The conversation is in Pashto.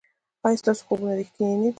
ایا ستاسو خوبونه ریښتیني نه دي؟